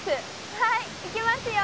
はいいきますよ。